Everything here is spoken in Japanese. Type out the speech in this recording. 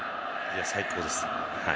最高です。